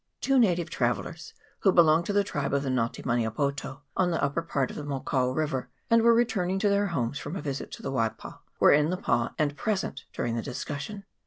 CHAP. XXIV.] ROTU RUA. 373 Two native travellers, who belonged to the tribe of the Nga te meniopoto, on the upper part of the Mokau river, and were returning to their homes from a visit to the Waipa, were in the pa, and pre sent during the discussion.